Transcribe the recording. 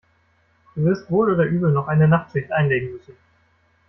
Du wirst wohl oder übel noch eine Nachtschicht einlegen müssen.